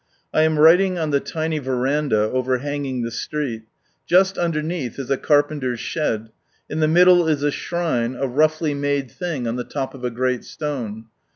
I am writing on the tiny verandah overhanging tlie street. Just underneath is a carpenter's shed ; in the middle is a shrine, a roughly made thing on the top of a great stone.